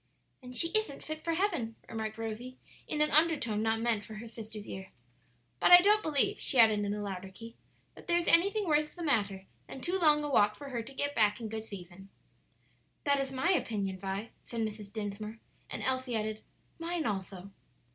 "Then she isn't fit for heaven," remarked Rosie in an undertone not meant for her sister's ear; "but I don't believe," she added in a louder key, "that there is anything worse the matter than too long a walk for her to get back in good season." "That is my opinion, Vi," said Mrs. Dinsmore; and Elsie added, "Mine also."